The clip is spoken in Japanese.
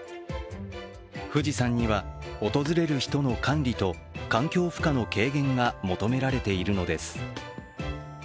富士山には、訪れる人の管理と環境負荷の軽減が求められているのです。